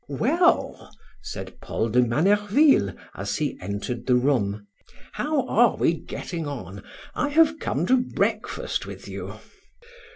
"Well," said Paul de Manerville, as he entered the room. "How are we getting on? I have come to breakfast with you."